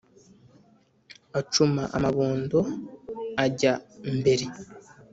Acuma amabondo ajya mbere